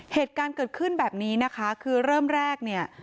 เหตุการณ์เกิดขึ้นแบบนี้นะคะคือเริ่มแรกเนี่ย